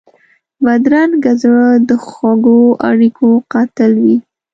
بدرنګه زړه د خوږو اړیکو قاتل وي